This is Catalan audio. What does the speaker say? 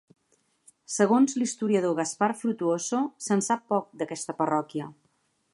Segons l'historiador Gaspar Frutuoso, se'n sap poc d'aquesta parròquia.